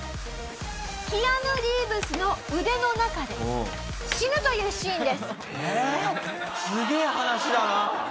キアヌ・リーブスの腕の中で死ぬというシーンです。